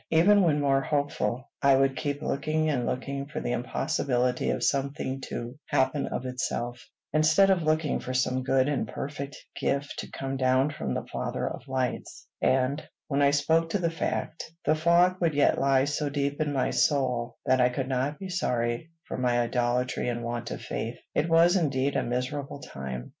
Even when more hopeful, I would keep looking and looking for the impossibility of something to happen of itself, instead of looking for some good and perfect gift to come down from the Father of lights; and, when I awoke to the fact, the fog would yet lie so deep on my soul, that I could not be sorry for my idolatry and want of faith. It was, indeed, a miserable time.